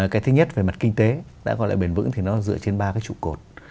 cái thứ nhất về mặt kinh tế đã gọi lại bền vững thì nó dựa trên ba cái trụ cột